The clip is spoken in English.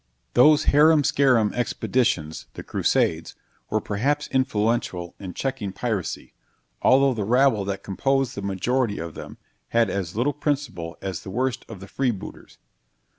Those "harum scarum" expeditions, the Crusades, were perhaps influential in checking piracy, although the rabble that composed the majority of them had as little principle as the worst of the freebooters.